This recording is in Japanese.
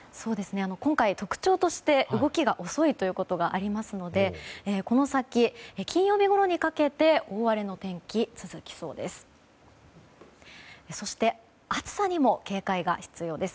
今回、特徴として動きが遅いということがありますのでこの先、金曜日ごろにかけて大荒れの天気が続きそうです。